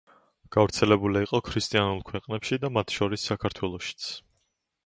გავრცელებული იყო ქრისტიანულ ქვეყნებში და მათ შორის საქართველოშიც.